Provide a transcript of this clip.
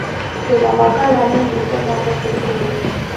Tuna makabila mengi sana huku Kenya